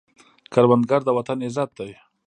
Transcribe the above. کروندګر د وطن عزت دی